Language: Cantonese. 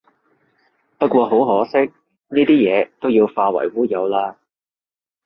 不過好可惜，呢啲嘢都要化為烏有喇